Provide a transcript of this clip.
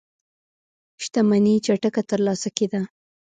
شتمنۍ چټکه ترلاسه کېده.